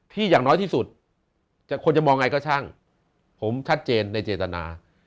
อย่างน้อยที่สุดคนจะมองไงก็ช่างผมชัดเจนในเจตนา